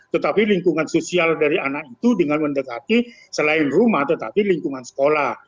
tetapi lingkungan sosial dari anak itu dengan mendekati selain rumah tetapi lingkungan sekolah